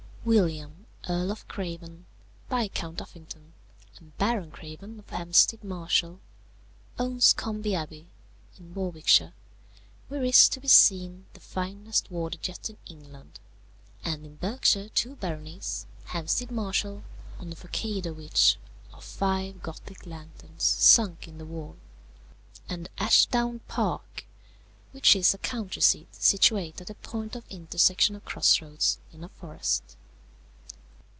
"William, Earl of Craven, Viscount Uffington, and Baron Craven of Hamstead Marshall, owns Combe Abbey in Warwickshire, where is to be seen the finest water jet in England; and in Berkshire two baronies, Hamstead Marshall, on the façade of which are five Gothic lanterns sunk in the wall, and Ashdown Park, which is a country seat situate at the point of intersection of cross roads in a forest.